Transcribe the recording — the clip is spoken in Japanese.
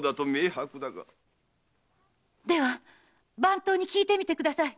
では番頭に聞いてみてください。